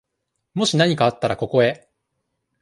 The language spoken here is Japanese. もしなにかあったら、ここへ。